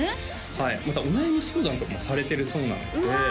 はいまたお悩み相談とかもされてるそうなのでうわ